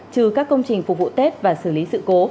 trừ các công trình phục vụ tết và xử lý sự cố